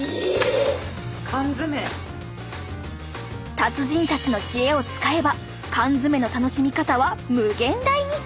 達人たちの知恵を使えば缶詰の楽しみ方は無限大に。